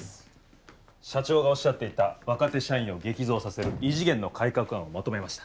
社長がおっしゃっていた若手社員を激増させる異次元の改革案をまとめました。